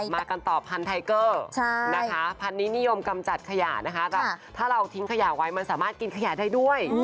มากันต่อพันธัยเกอร์นะคะพันธุ์นี้นิยมกำจัดขยะนะคะแต่ถ้าเราทิ้งขยะไว้มันสามารถกินขยะได้ด้วย